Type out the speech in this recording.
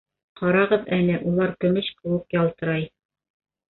Ҡарағыҙ әле, улар көмөш кеүек ялтырай